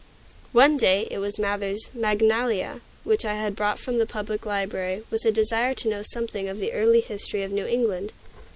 One day it was Mather's "Magnalia," which I had brought from the public library, with a desire to know something of the early history of New England.